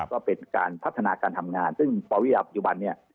ก็เป็นการพัฒนาการทำงานซึ่งประวิยัตรอยู่บรรณเนี่ย